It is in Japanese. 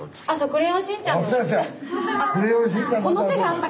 クレヨンしんちゃん。